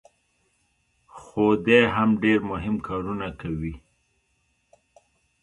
خو دی هم ډېر مهم کارونه کوي.